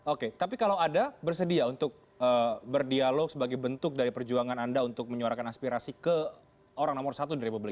oke tapi kalau ada bersedia untuk berdialog sebagai bentuk dari perjuangan anda untuk menyuarakan aspirasi ke orang nomor satu di republik